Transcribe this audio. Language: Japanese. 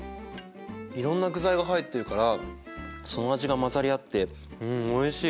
いろんな具材が入ってるからその味が混ざり合っておいしい！